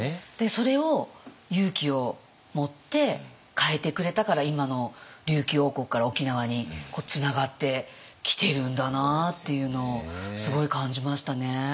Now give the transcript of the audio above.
それを勇気を持って変えてくれたから今の琉球王国から沖縄につながってきてるんだなっていうのをすごい感じましたね。